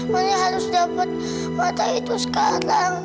pokoknya harus dapat mata itu sekarang